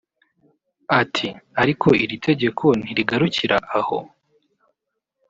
Ati “Ariko iri tegeko ntirigarukira aho